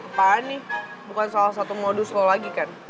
apaan nih bukan salah satu modus lo lagi kan